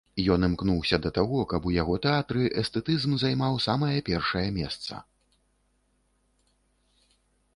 Ён імкнуўся да таго, каб у яго тэатры эстэтызм займаў самае першае месца.